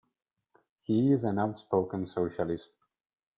He is an outspoken socialist.